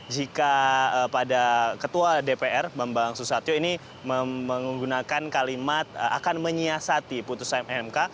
jika pada ketua dpr bambang susatyo ini menggunakan kalimat akan menyiasati putusan mk